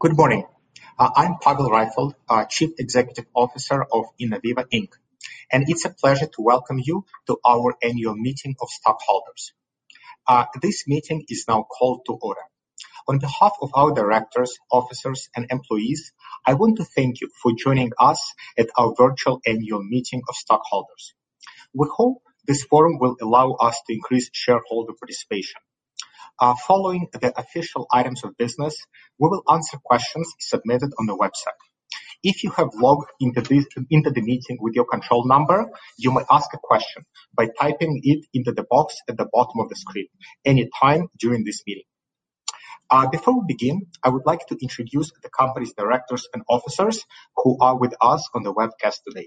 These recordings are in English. Good morning. I'm Pavel Raifeld, Chief Executive Officer of Innoviva, Inc., and it's a pleasure to welcome you to our annual meeting of stockholders. This meeting is now called to order. On behalf of our directors, officers, and employees, I want to thank you for joining us at our virtual Annual Meeting of Stockholders. We hope this forum will allow us to increase shareholder participation. Following the official items of business, we will answer questions submitted on the website. If you have logged into the meeting with your control number, you may ask a question by typing it into the box at the bottom of the screen anytime during this meeting. Before we begin, I would like to introduce the company's directors and officers who are with us on the webcast today.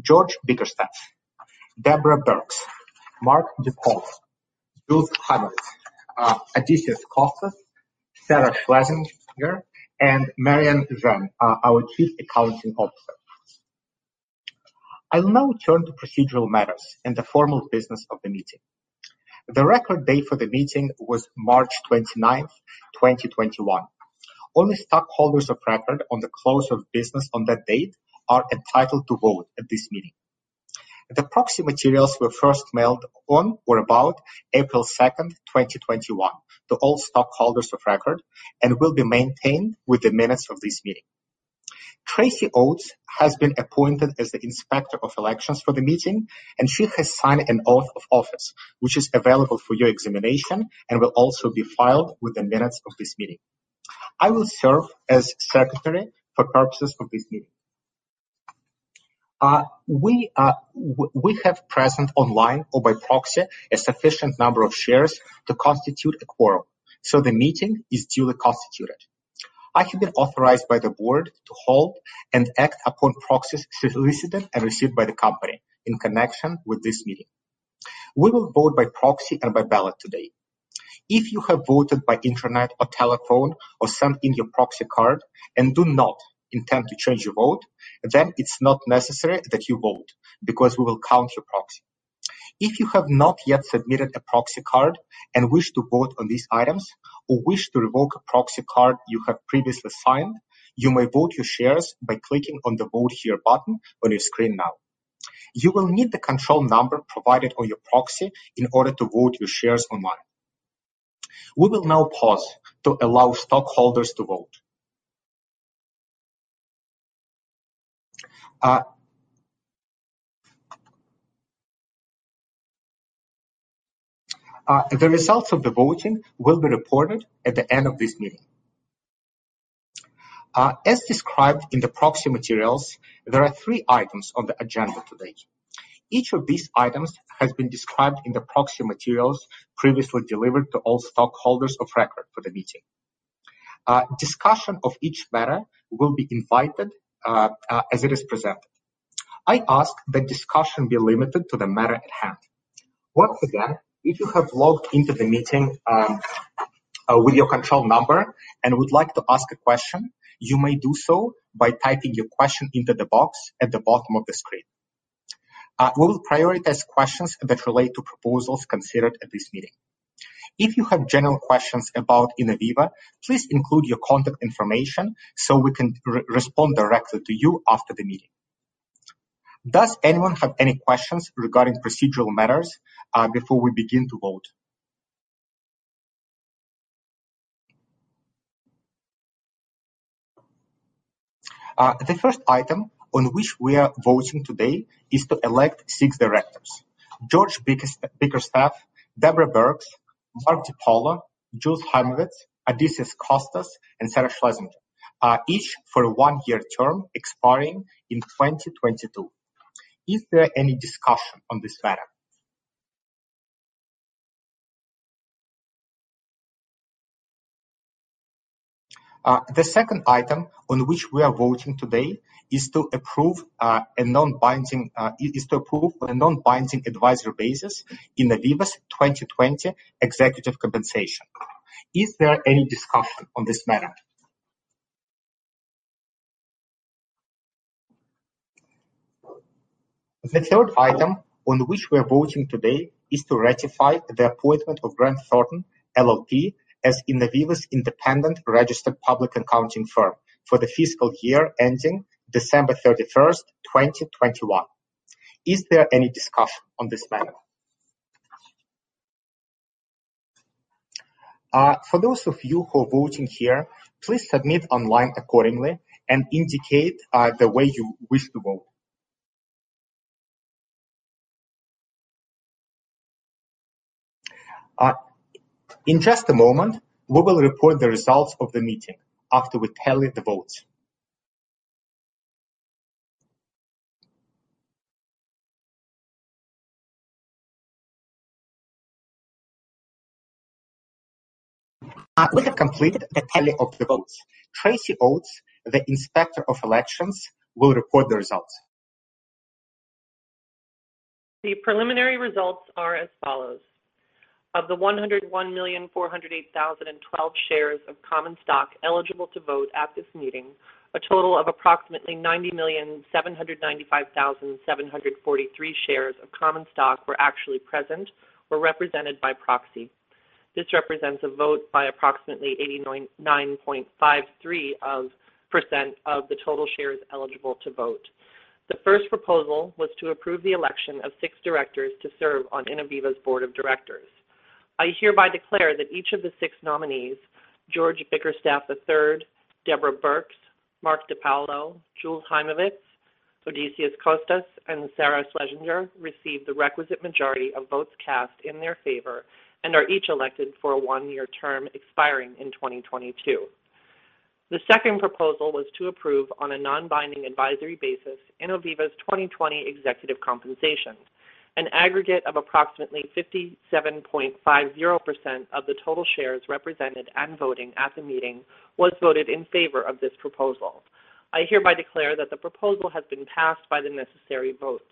George Bickerstaff, Deborah Birx, Mark DiPaolo, Jules Haimovitz, Odysseas Kostas, Sarah Schlesinger, and Marianne Zhen, our Chief Accounting Officer. I will now turn to procedural matters and the formal business of the meeting. The record date for the meeting was March 29th, 2021. Only stockholders of record on the close of business on that date are entitled to vote at this meeting. The proxy materials were first mailed on or about April 2nd, 2021 to all stockholders of record and will be maintained with the minutes of this meeting. Tracy Oats has been appointed as the Inspector of Elections for the meeting, and she has signed an oath of office, which is available for your examination and will also be filed with the minutes of this meeting. I will serve as Secretary for purposes of this meeting. We have present online or by proxy a sufficient number of shares to constitute a quorum. The meeting is duly constituted. I have been authorized by the board to hold and act upon proxies solicited and received by the company in connection with this meeting. We will vote by proxy and by ballot today. If you have voted by internet or telephone or sent in your proxy card and do not intend to change your vote, it's not necessary that you vote because we will count your proxy. If you have not yet submitted a proxy card and wish to vote on these items or wish to revoke a proxy card you have previously signed, you may vote your shares by clicking on the Vote Here button on your screen now. You will need the control number provided on your proxy in order to vote your shares online. We will now pause to allow stockholders to vote. The results of the voting will be reported at the end of this meeting. As described in the proxy materials, there are three items on the agenda today. Each of these items has been described in the proxy materials previously delivered to all stockholders of record for the meeting. Discussion of each matter will be invited as it is presented. I ask that discussion be limited to the matter at hand. Once again, if you have logged into the meeting with your control number and would like to ask a question, you may do so by typing your question into the box at the bottom of the screen. We will prioritize questions that relate to proposals considered at this meeting. If you have general questions about Innoviva, please include your contact information so we can respond directly to you after the meeting. Does anyone have any questions regarding procedural matters before we begin to vote? The first item on which we are voting today is to elect six directors, George Bickerstaff, Deborah Birx, Mark DiPaolo, Jules Haimovitz, Odysseas Kostas, and Sarah Schlesinger, each for a one-year term expiring in 2022. Is there any discussion on this matter? The second item on which we are voting today is to approve on a non-binding advisory basis Innoviva's 2020 executive compensation. Is there any discussion on this matter? The third item on which we are voting today is to ratify the appointment of Grant Thornton LLP as Innoviva's independent registered public accounting firm for the fiscal year ending December 31st, 2021. Is there any discussion on this matter? For those of you who are voting here, please submit online accordingly and indicate the way you wish to vote. In just a moment, we will report the results of the meeting after we tally the votes. We have completed the tally of the votes. Tracy Oats, the Inspector of Elections, will report the results. The preliminary results are as follows. Of the 101,408,012 shares of common stock eligible to vote at this meeting, a total of approximately 90,795,743 shares of common stock were actually present or represented by proxy. This represents a vote by approximately 89.53% of the total shares eligible to vote. The first proposal was to approve the election of six directors to serve on Innoviva's Board of Directors. I hereby declare that each of the six nominees, George Bickerstaff III, Deborah Birx, Mark DiPaolo, Jules Haimovitz, Odysseas Kostas, and Sarah Schlesinger, received the requisite majority of votes cast in their favor and are each elected for a one-year term expiring in 2022. The second proposal was to approve on a non-binding advisory basis Innoviva's 2020 executive compensation. An aggregate of approximately 57.50% of the total shares represented and voting at the meeting was voted in favor of this proposal. I hereby declare that the proposal has been passed by the necessary vote.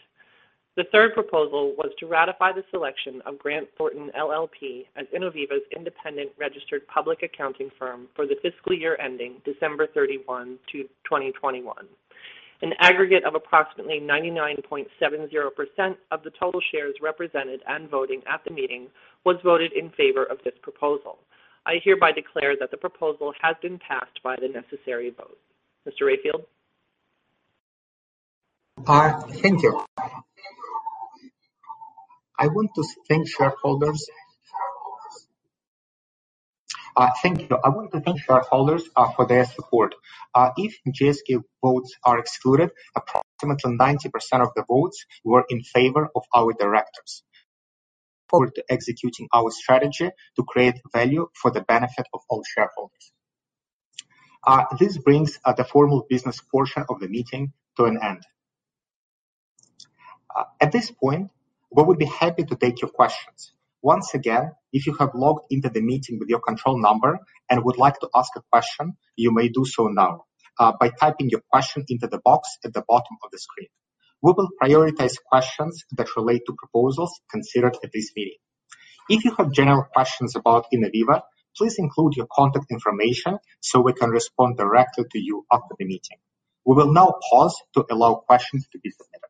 The third proposal was to ratify the selection of Grant Thornton LLP as Innoviva's independent registered public accounting firm for the fiscal year ending December 31, 2021. An aggregate of approximately 99.70% of the total shares represented and voting at the meeting was voted in favor of this proposal. I hereby declare that the proposal has been passed by the necessary vote. Mr. Raifeld. Thank you. I want to thank shareholders for their support. If GSK votes are excluded, approximately 90% of the votes were in favor of our directors. We look forward to executing our strategy to create value for the benefit of all shareholders. This brings the formal business portion of the meeting to an end. At this point, we would be happy to take your questions. Once again, if you have logged into the meeting with your control number and would like to ask a question, you may do so now by typing your question into the box at the bottom of the screen. We will prioritize questions that relate to proposals considered at this meeting. If you have general questions about Innoviva, please include your contact information so we can respond directly to you after the meeting. We will now pause to allow questions to be submitted.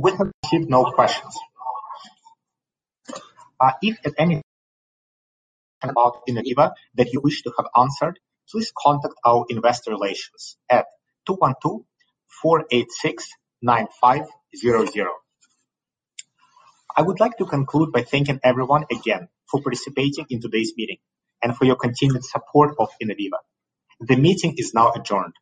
We have received no questions. If at any time you have a question about Innoviva that you wish to have answered, please contact our investor relations at (212) 486-9500. I would like to conclude by thanking everyone again for participating in today's meeting and for your continued support of Innoviva. The meeting is now adjourned.